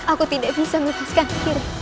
aku tidak bisa melepaskan diri